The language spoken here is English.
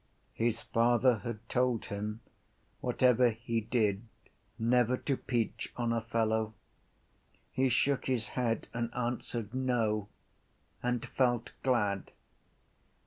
His father had told him, whatever he did, never to peach on a fellow. He shook his head and answered no and felt glad.